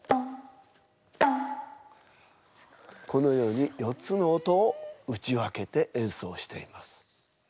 このように４つの音を打ち分けて演奏しています。